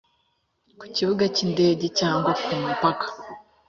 ku kibuga cy indege cyangwa ku mupaka